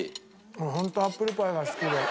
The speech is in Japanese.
俺ホントアップルパイが好きで。